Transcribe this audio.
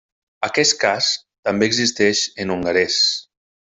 Aquest cas també existeix en hongarès.